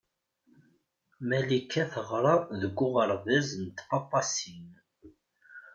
Malika teɣra deg uɣerbaz n Tpapasin.